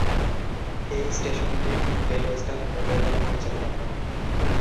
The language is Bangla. এই স্টেশনটি গ্রেট ওয়েস্টার্ন রেলওয়ে দ্বারা পরিচালিত হয়।